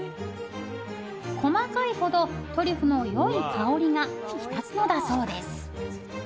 細かいほどトリュフの良い香りが引き立つのだそうです。